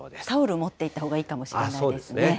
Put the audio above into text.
タオル持っていったほうがいいかもしれないですね。